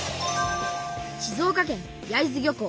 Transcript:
静岡県焼津漁港。